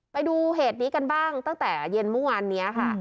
ไปดูเหตุนี้กันบ้างตั้งแต่เย็นเมื่อวานนี้ค่ะ